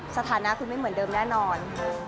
สถานะคุณไม่เหมือนเดิมแน่นอน